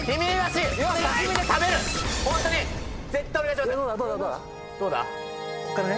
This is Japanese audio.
絶対お願いします。